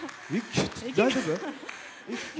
大丈夫？